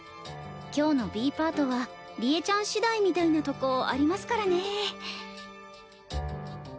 今日のＢパートは利恵ちゃんしだいみたいなとこありますからね。